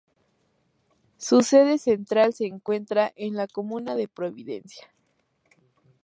Su sede central se encuentra en la comuna de Providencia.